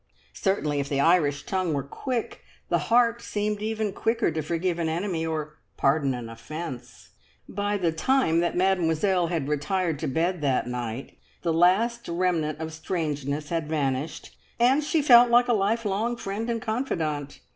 Certainly, if the Irish tongue were quick, the heart seemed even quicker to forgive an enemy, or pardon an offence. By the time that Mademoiselle retired to bed that night the last remnant of strangeness had vanished, and she felt like a lifelong friend and confidante.